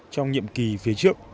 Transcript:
trong nhiệm kỳ phía trước